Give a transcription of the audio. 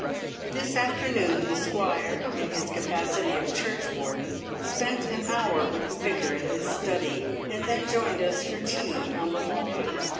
His afternoon the Squire, in his capacity of churchwarden, spent an hour with the Vicar in his study, and then joined us for tea on the lawn.